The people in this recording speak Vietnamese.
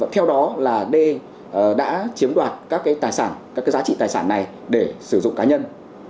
theo đó là d đã chiếm đoàn các giá trị tài sản này để sử dụng cá nhân